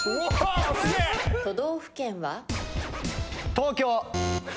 東京。